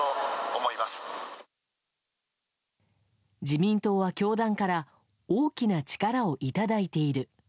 自民党は教団から大きな力をいただいている。